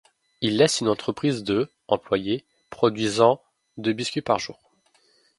Il laisse une entreprise de employés, produisant de biscuits par jour.